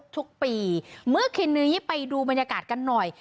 ทุกปีเมื่อคืนนี้ไปดูบรรยากาศกันหน่อย